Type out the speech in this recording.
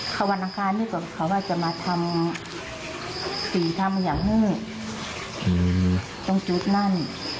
เขาวันอาการนี่ก็เขาว่าจะมาทำสีทำอย่างนี้ตรงจุดนั่น